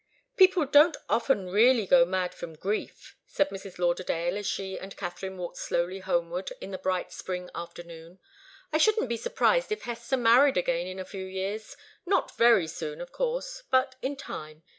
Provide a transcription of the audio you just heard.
"People don't often really go mad from grief," said Mrs. Lauderdale, as she and Katharine walked slowly homeward in the bright spring afternoon. "I shouldn't be surprised if Hester married again in a few years. Not very soon, of course but in time.